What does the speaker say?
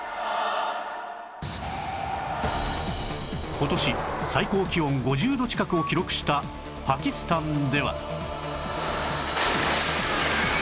今年最高気温５０度近くを記録したパキスタンでは